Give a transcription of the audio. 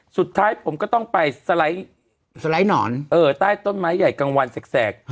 สุดท้ายผมก็ต้องไปสไลด์หนอนใต้ต้นไม้ใหญ่กลางวันแสก